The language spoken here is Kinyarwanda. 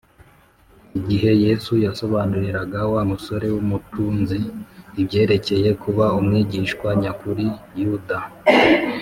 igihe yesu yasobanuriraga wa musore w’umutunzi ibyerekeye kuba umwigishwa nyakuri, yuda